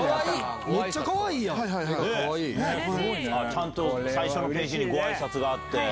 ちゃんと最初のページにご挨拶があって。